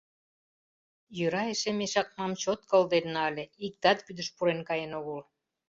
Йӧра эше мешакнам чот кылденна ыле, иктат вӱдыш пурен каен огыл.